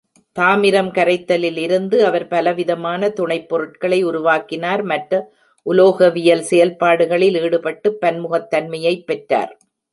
தாமிரம் கரைத்தலிலிருந்து அவர் பலவிதமான துணைப் பொருட்களை உருவாக்கினார், மற்ற உலோகவியல் செயல்பாடுகளில் ஈடுபட்டுப் பன்முகத்தன்மையைப் பெற்றார்.